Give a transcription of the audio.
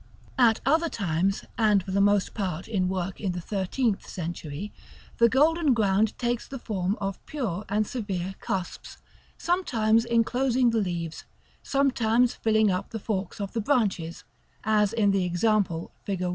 At other times, and for the most part in work in the thirteenth century, the golden ground takes the form of pure and severe cusps, sometimes enclosing the leaves, sometimes filling up the forks of the branches (as in the example fig.